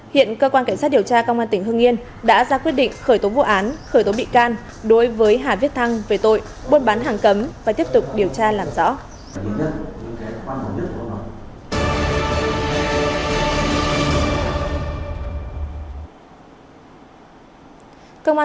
hiện cơ quan cảnh sát điều tra công an tỉnh hưng yên đã ra quyết định khởi tố vụ án khởi tố bị can đối với hà viết thăng về tội buôn bán hàng cấm và tiếp tục điều tra làm rõ